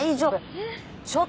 えっ？